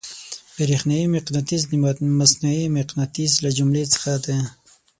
برېښنايي مقناطیس د مصنوعي مقناطیس له جملې څخه دی.